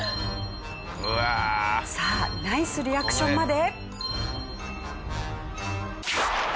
さあナイスリアクションまで。